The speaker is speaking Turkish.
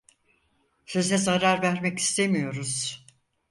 Size zarar vermek istemiyoruz.